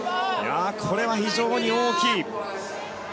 これは非常に大きい。